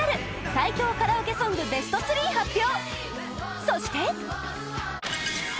最強カラオケソングベスト３発表